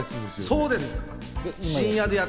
そうです。